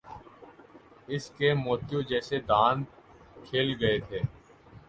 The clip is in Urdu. اس کے موتیوں جیسے دانت کھل گئے تھے۔